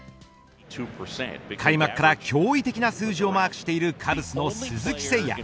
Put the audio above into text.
開幕から驚異的な数字をマークしているカブスの鈴木誠也。